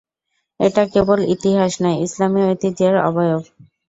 এটা কেবল ইতিহাস নয়, ইসলামী ঐতিহ্যের অবয়ব।